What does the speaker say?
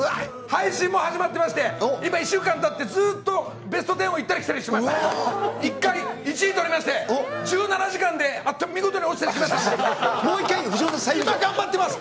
配信も始まってますんで、今、１週間たってずっとベスト１０を行ったり来たりしてます、１回、１位取りまして、１７時間で見事に落ちていきましたので、もう一頑張ってます。